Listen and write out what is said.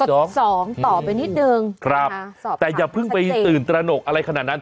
สองสองต่อไปนิดนึงครับแต่อย่าเพิ่งไปตื่นตระหนกอะไรขนาดนั้น